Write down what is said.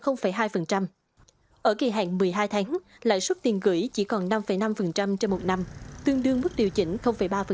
ở kỳ hạn một mươi hai tháng lãi suất tiền gửi chỉ còn năm năm trên một năm tương đương mức điều chỉnh ba